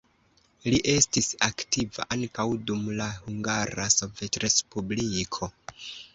Li estis aktiva ankaŭ dum la Hungara Sovetrespubliko.